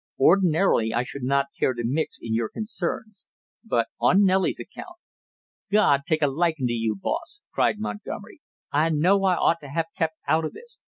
Ordinarily I should not care to mix in your concerns, but on Nellie's account " "God take a likin' to you, boss!" cried Montgomery. "I know I ought to have kept out of this.